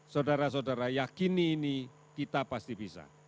saudara saudara yakini ini kita pasti bisa